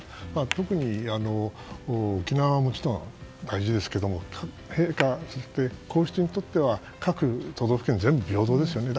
特に沖縄の人も大事ですけど陛下、皇室にとっては各都道府県、全部平等ですよね。